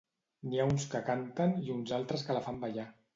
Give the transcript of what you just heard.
N'hi ha uns que canten i uns altres que la fan ballar.